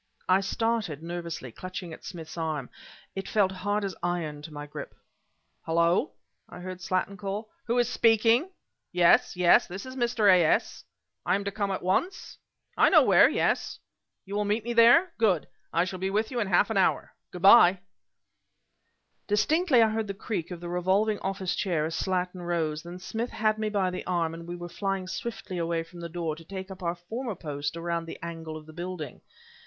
I started, nervously, clutching at Smith's arm. It felt hard as iron to my grip. "Hullo!" I heard Slattin call "who is speaking?... Yes, yes! This is Mr. A. S.... I am to come at once?... I know where yes I ... you will meet me there?... Good! I shall be with you in half an hour.... Good by!" Distinctly I heard the creak of the revolving office chair as Slattin rose; then Smith had me by the arm, and we were flying swiftly away from the door to take up our former post around the angle of the building.